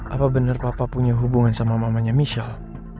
apa benar papa punya hubungan sama mamanya michelle